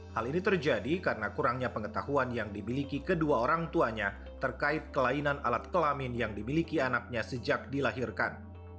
hal ini terjadi karena kurangnya pengetahuan yang dimiliki kedua orang tuanya terkait kelainan alat kelamin yang dimiliki anaknya sejak dilahirkan